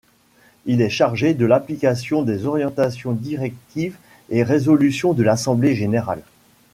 Il est chargé de l’application des orientations, directives et résolutions de l’Assemblée Générale.